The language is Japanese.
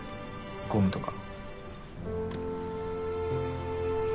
ゴムとか。